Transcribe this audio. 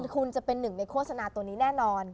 คุณจะเป็นหนึ่งในโฆษณาตัวนี้แน่นอน